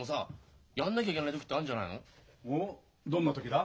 おっどんな時だ？